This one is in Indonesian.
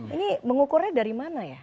ini mengukurnya dari mana ya